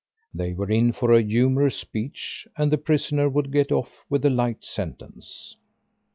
They were in for a humorous speech, and the prisoner would get off with a light sentence.